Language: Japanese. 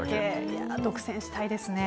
独占したいですね。